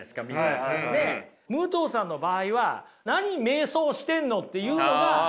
武藤さんの場合は何迷走してんの？っていうのが。